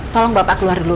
tolong bapak keluar dulu